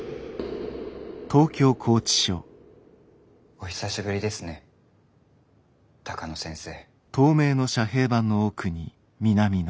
お久しぶりですね鷹野先生。